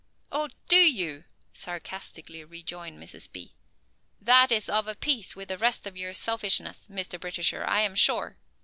"Oh, you do?" sarcastically rejoined Mrs. B. "That is of a piece with the rest of your selfishness, Mr. Britisher, I am sure.